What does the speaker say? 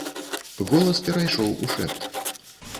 Голас перайшоў у шэпт.